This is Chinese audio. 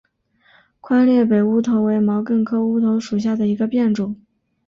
宽裂北乌头为毛茛科乌头属下的一个变种。